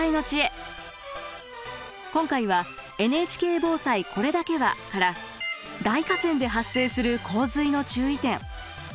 今回は「ＮＨＫ防災これだけは」から大河川で発生する洪水の注意点。